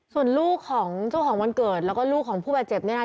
ส่วนลูกของเจ้าของวันเกิดแล้วก็ลูกของผู้บาดเจ็บเนี่ยนะคะ